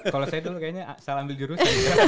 kalau saya dulu kayaknya saya ambil jurusan